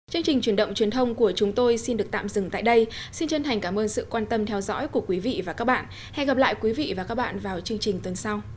hãy đăng ký kênh để ủng hộ kênh của mình nhé